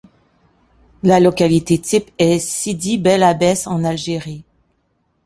La localité type est Sidi Bel Abbès, en Algérie.